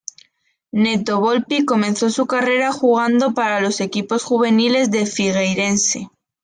Neto Volpi comenzó su carrera jugando para los equipos juveniles de Figueirense.